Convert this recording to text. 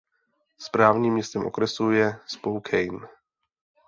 Správním městem okresu je Spokane.